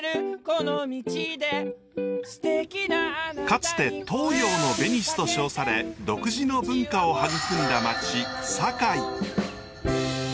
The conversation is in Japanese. かつて東洋のベニスと称され独自の文化を育んだ町堺。